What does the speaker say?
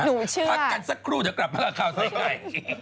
พักกันสักครู่เดี๋ยวกลับมากับข่าวใส่ไข่